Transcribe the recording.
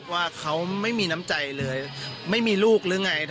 ว่าเขาไม่มีน้ำใจเลยไม่มีลูกหรือไง